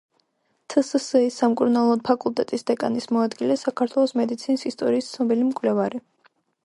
თსსი–ის სამკურნალო ფაკულტეტის დეკანის მოადგილე, საქართველოს მედიცინის ისტორიის ცნობილი მკვლევარი.